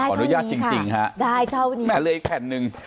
ขออนุญาตจริงค่ะได้เท่านี้ค่ะเลยอีกแผ่นหนึ่ง